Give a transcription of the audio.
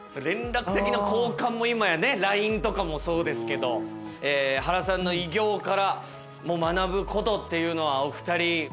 連絡先の交換も今やね、ＬＩＮＥとかもそうですけど、原さんの偉業から学ぶことっていうのは、お２人。